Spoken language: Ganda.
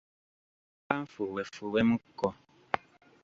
Mpa nfuuwefuuwemu ko